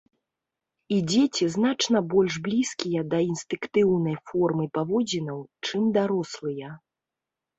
І дзеці значна больш блізкія да інстынктыўнай формы паводзінаў, чым дарослыя.